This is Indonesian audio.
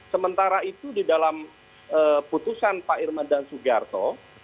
sementara itu di dalam putusan pak irma dan sugiharto